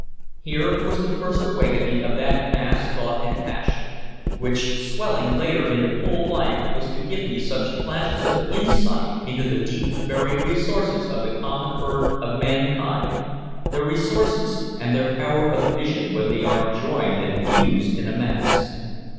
Here was the first awakening of that mass thought and passion, which swelling later into full life was to give me such flashes of insight into the deep buried resources of the common herd of mankind, their resources and their power of vision when they are joined and fused in a mass.